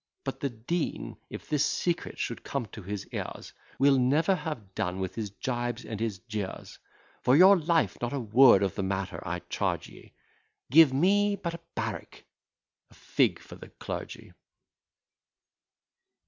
But the Dean, if this secret should come to his ears, Will never have done with his gibes and his jeers: For your life, not a word of the matter I charge ye: Give me but a barrack, a fig for the clergy."